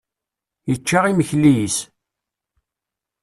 Yečča imekli-is.